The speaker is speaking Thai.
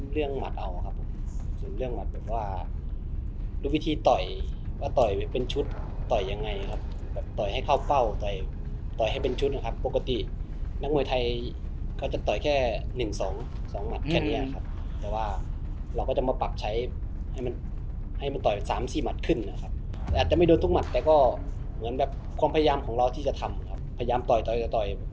หมัดเอาครับผมส่วนเรื่องหมัดแบบว่าด้วยวิธีต่อยว่าต่อยเป็นชุดต่อยยังไงครับแบบต่อยให้เข้าเฝ้าต่อยให้เป็นชุดนะครับปกตินักมวยไทยก็จะต่อยแค่หนึ่งสองสองหมัดแค่นี้ครับแต่ว่าเราก็จะมาปรับใช้ให้มันให้มันต่อยสามสี่หมัดขึ้นนะครับอาจจะไม่โดนทุกหมัดแต่ก็เหมือนแบบความพยายามของเราที่จะทำครับพยายามต่อยต่อยจะต่อย